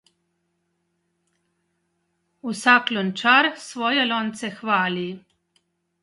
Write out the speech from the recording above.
Vsak lončar svoje lonce hvali.